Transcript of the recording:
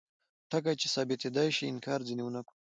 ټکي چې ثابتیدای شي انکار ځینې ونکړو.